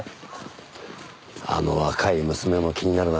あの若い娘も気になるな。